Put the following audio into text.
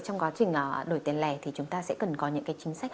trong quá trình đổi tiền lè thì chúng ta sẽ cần có những chính sách